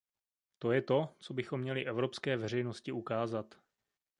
To je to, co bychom měli evropské veřejnosti ukázat.